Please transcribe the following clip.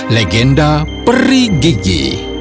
legenda peri gigi